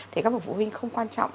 thì các bậc phụ huynh không quan trọng